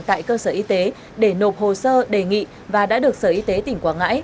tại cơ sở y tế để nộp hồ sơ đề nghị và đã được sở y tế tỉnh quảng ngãi